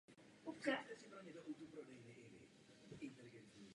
Důvod ochrany představovala přirozená chlumní doubrava.